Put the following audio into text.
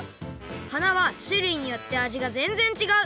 花はしゅるいによってあじがぜんぜんちがう。